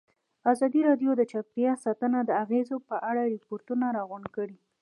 ازادي راډیو د چاپیریال ساتنه د اغېزو په اړه ریپوټونه راغونډ کړي.